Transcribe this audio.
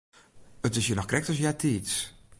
It is hjir noch krekt as eartiids.